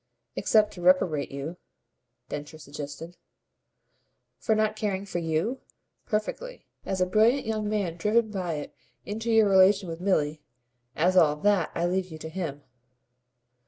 "Except to reprobate you," Densher suggested. "For not caring for YOU? Perfectly. As a brilliant young man driven by it into your relation with Milly as all THAT I leave you to him."